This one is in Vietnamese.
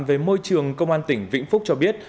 về môi trường công an tỉnh vĩnh phúc cho biết